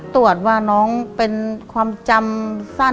ตรวจว่าน้องเป็นความจำสั้น